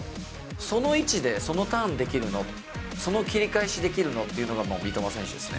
その位置で、そのターンできるの、その切り返しできるの？っていうのが三笘選手ですね。